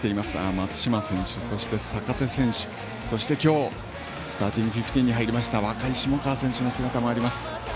松島選手、そして坂手選手そして今日スターティングフィフティーンに入りました若い下川選手の姿もあります。